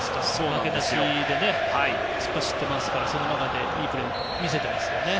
負けなしで突っ走ってますから、その中でいいプレーを見せていますね。